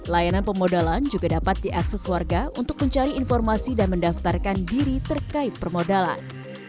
layanan pemodalan juga dapat diakses warga untuk mencari informasi dan mendaftarkan diri terkait permodalan